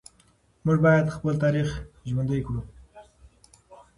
موږ باید خپل تاریخ ژوندي کړو.